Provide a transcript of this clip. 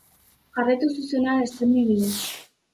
Jarraitu zuzenean streaming bidez.